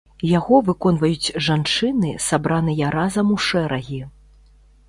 Яго выконваюць жанчыны, сабраныя разам у шэрагі.